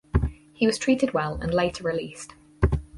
He was treated well and later released.